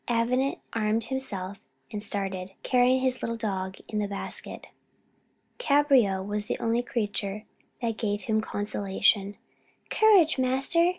Avenant armed himself and started, carrying his little dog in its basket. Cabriole was the only creature that gave him consolation: "Courage, master!